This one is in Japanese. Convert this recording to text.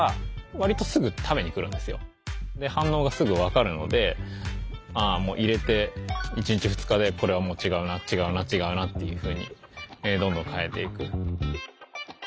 で反応がすぐ分かるので入れて１日２日でこれはもう違うな違うな違うなっていうふうにどんどん変えていく。